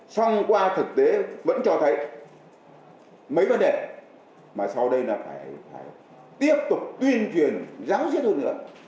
xong qua thực tế vẫn cho thấy mấy vấn đề mà sau đây là phải tiếp tục tuyên truyền ráo riết hơn nữa